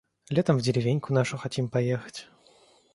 Летом в деревеньку нашу хотим поехать.